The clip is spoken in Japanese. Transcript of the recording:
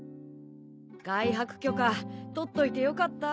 外泊許可取っといてよかった。